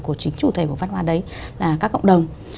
của chính chủ thể của văn hóa đấy là các cộng đồng